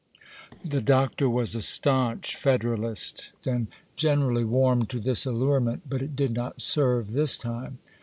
The Doctor was a stanch Federalist, and generally warmed to this allurement; but it did not serve this time.